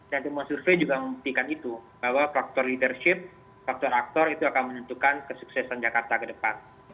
dan temuan survei juga membuktikan itu bahwa faktor leadership faktor aktor itu akan menentukan kesuksesan jakarta ke depan